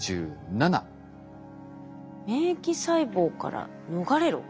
「免疫細胞から逃れろ」。